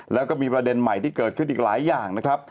แล้วก็มีประเด็นใหม่ที่เกิดขึ้นอีกหลายอย่างนะครับ